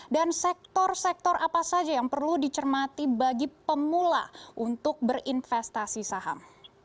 dan sektor sektor apa saja yang perlu dicermati bagi pemula untuk berinvestasi saham